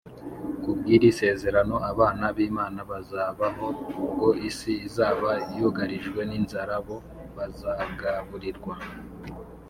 Ku bw’iri sezerano, abana b’Imana bazabaho. Ubwo isi izaba yugarijwe n’inzara, bo bazagaburirwa